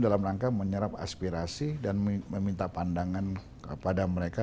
dalam rangka menyerap aspirasi dan meminta pandangan kepada mereka